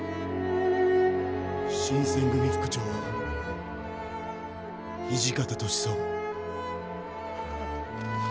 新選組副長土方歳三。